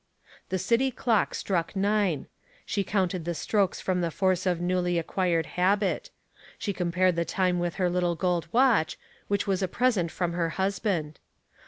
The city clock struck nine. She counted the strokes from the force of newly ac quired habit; she compared the time with her little gold watch, that was a present from her husband.